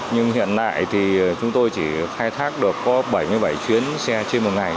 nhưng hiện nay thì chúng tôi chỉ khai thác được có bảy mươi bảy chuyến xe trên một ngày